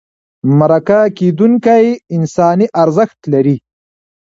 مرکه کېدونکی انساني ارزښت لري.